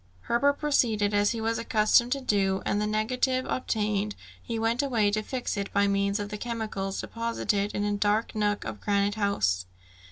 Herbert proceeded as he was accustomed to do, and the negative obtained, he went away to fix it by means of the chemicals deposited in a dark nook of Granite House.